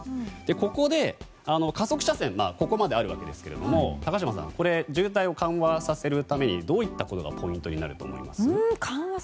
ここで加速車線があるわけですが高島さん渋滞を緩和させるためにどういったことがポイントになると思いますか？